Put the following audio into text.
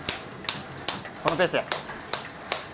このペースや。